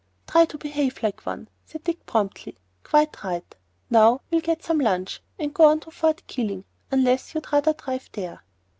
""Try to behave like one,"' said Dick, promptly. "Quite right. Now we'll get some lunch and go on to Fort Keeling,—unless you'd rather drive there?"